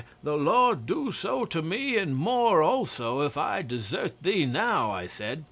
The Lord do so to me and more also if I desert thee now," I said.